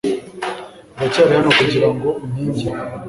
uracyari hano kugirango unkingire